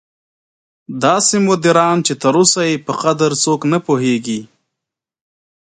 داسې مدیران چې تر اوسه یې په قدر څوک نه پوهېږي.